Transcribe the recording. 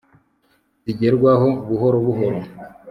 zigerwaho buhoro buhoro